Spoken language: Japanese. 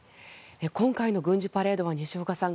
今回の軍事パレードは西岡さん